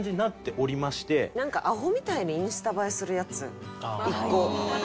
なんかアホみたいにインスタ映えするやつ１個。